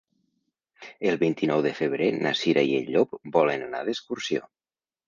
El vint-i-nou de febrer na Cira i en Llop volen anar d'excursió.